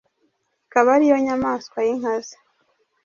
ikaba ariyo nyamanswa y’inkazi,